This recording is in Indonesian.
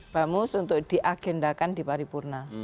bamus untuk di agendakan di paripurna